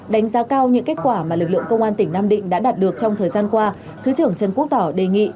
đánh giá cao những kết quả mà lực lượng công an tỉnh nam định đã đạt được trong thời gian qua thứ trưởng trần quốc tỏ đề nghị